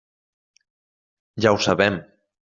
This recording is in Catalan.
Ja ho sabem.